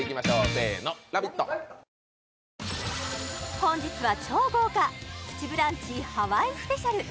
本日は超豪華「プチブランチ」ハワイスペシャル